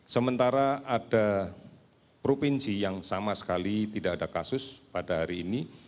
sementara ada provinsi yang sama sekali tidak ada kasus pada hari ini